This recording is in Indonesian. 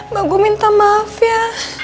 mbak gua minta maaf ya